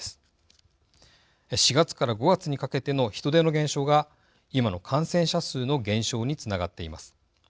４月から５月にかけての人出の減少が今の感染者数の減少につながっています。